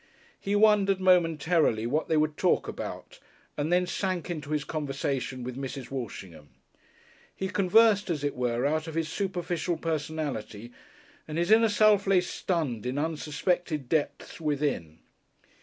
He wondered momentarily what they would talk about and then sank into his conversation with Mrs. Walshingham. He conversed, as it were, out of his superficial personality, and his inner self lay stunned in unsuspected depths within.